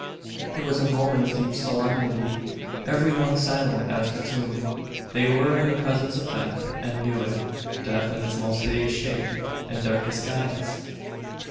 It was a moment of deep solemnity every one silent as the tomb. They were in the presence of death, and knew it, death in its most hideous shape, and darkest guise.